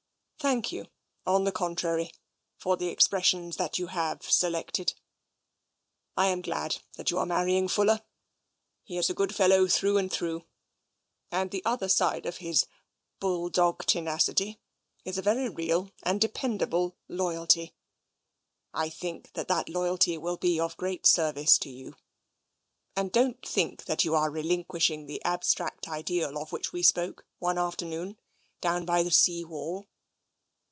Thank you, on the contrary, for the expressions that you have selected, I am glad that you are marrying Fuller, He is a good fellow through and through, and the other side of his hull dog tenacity is a very real and dependable loy alty, I think that that loyalty will he of great service to you. And don't think that you are relinquishing the abstract ideal of which we spoke one afternoon down by the sea wall.